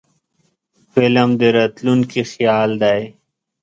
فلم د راتلونکي خیال دی